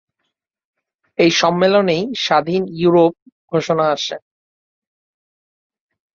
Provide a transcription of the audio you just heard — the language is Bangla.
এই সম্মেলনেই স্বাধীন ইউরোপ ঘোষণা আসে।